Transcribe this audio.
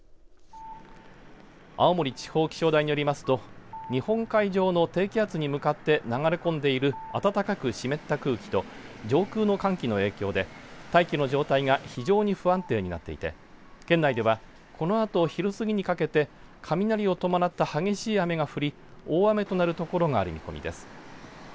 青森地方気象台によりますと日本海上の低気圧に向かって流れ込んでいる暖かく湿った空気と上空の寒気の影響で大気の状態が非常に不安定になっていて県内ではこのあと昼過ぎにかけて雷を伴った激しい雨が降り大雨となるところがある見込みです。